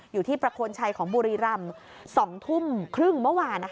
อยู่ที่ประโคนชัยของบุรีรำ๒ทุ่มครึ่งเมื่อวาน